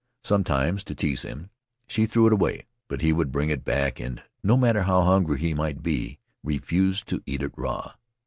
Sometimes, to tease him, she threw it away, but he would bring it back, and, no matter how hungry he might be, refuse to eat it raw.